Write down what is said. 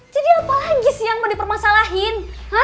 jadi apalagi sih yang mau dipermasalahin